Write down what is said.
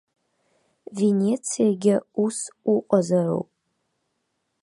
Венециагьы ус уҟазароуп.